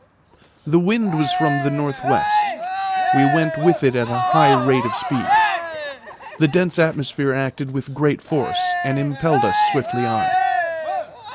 The wind was from the north west. We went with it at a high rate of speed. The dense atmosphere acted with great force and impelled us swiftly on.